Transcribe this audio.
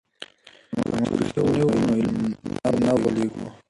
که موږ رښتیني وو نو نه غولېږو.